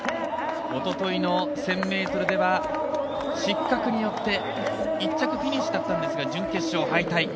おとといの１０００ｍでは失格によって１着フィニッシュだったんですが準決勝敗退。